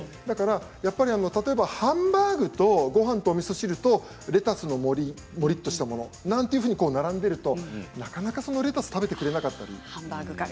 例えばハンバーグとごはんとみそ汁とレタスのもりっとしたものが並んでいるとなかなかレタスを食べてくれなかったり。